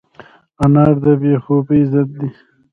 انار د بې خوبۍ ضد دی.